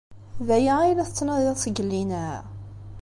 D aya ay la tettnadiḍ seg llinna?